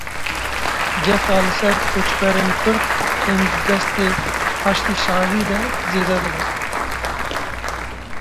Gefa li ser koçberên Kurd ên di destê Heşda Şeibî de zêde dibe.